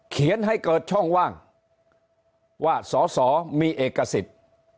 เขียนให้เกิดช่องว่างว่าสอสอมีเอกสิทธิ์